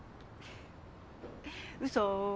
うそ。